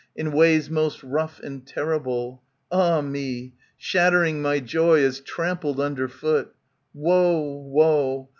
In ways most rough and terrible, (Ah me !) Shattering my joy, as trampled under foot. Woe! woe!